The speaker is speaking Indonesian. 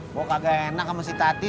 mau kagak enak sama si tati